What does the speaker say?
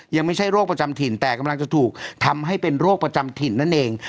ยังไม่ใช่โรคประจำถิ่นแต่กำลังจะถูกทำให้เป็นโรคประจำถิ่นนั่นเอง